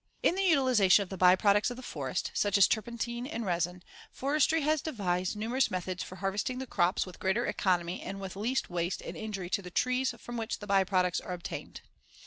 In the utilization of the by products of the forest, such as turpentine and resin, Forestry has devised numerous methods for harvesting the crops with greater economy and with least waste and injury to the trees from which the by products are obtained.